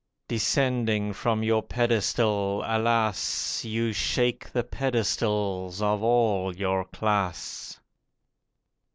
Descending from your pedestal, alas! You shake the pedestals of all your class.